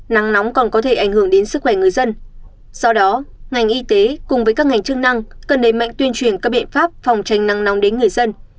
nắng nóng còn có thể ảnh hưởng đến sức khỏe người dân do đó ngành y tế cùng với các ngành chức năng cần đề mạnh tuyên truyền các biện pháp phòng tranh nắng nóng đến người dân